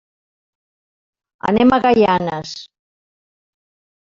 Anem a Gaianes.